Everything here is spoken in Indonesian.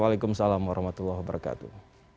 wa'alaikumsalam warahmatullahi wabarakatuh